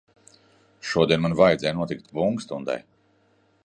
Šodien man vajadzēja notikt bungu stundai.